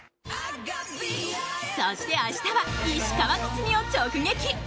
そして明日は、石川佳純を直撃。